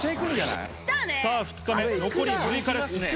さあ２日目、残り６日ですね。